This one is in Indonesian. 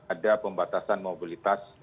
ada pembatasan mobilitas